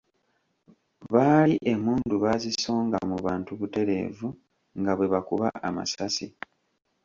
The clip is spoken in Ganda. Baali emmundu baazisonga mu bantu butereevu nga bwe bakuba amasasi.